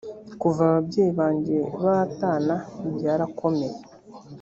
kuva ababyeyi banjye batana byarakomeye